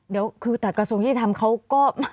เดี๋ยวคือตัดกระทรวยธรรมเขาก็